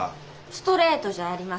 ストレートじゃありません。